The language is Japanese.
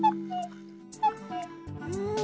うん。